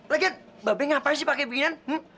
lagi mabek ngapain sih pakai beginian